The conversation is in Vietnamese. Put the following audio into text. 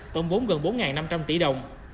tổng vốn gần bốn năm trăm linh tỷ đồng